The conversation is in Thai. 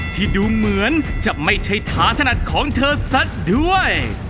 ที่ดูเหมือนจะไม่ใช่ฐานถนัดของเธอซะด้วย